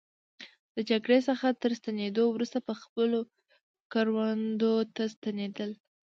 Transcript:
د جګړې څخه تر ستنېدو وروسته به خپلو کروندو ته ستنېدل.